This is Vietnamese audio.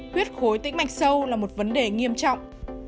quyết khối tĩnh mạch sâu là một vấn đề nghiêm trọng